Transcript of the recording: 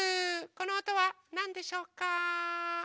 このおとはなんでしょうか？